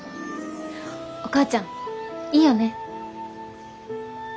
お母ちゃんいいよね？